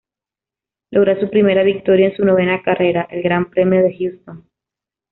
Logra su primera victoria en su novena carrera, el Gran Premio de Houston.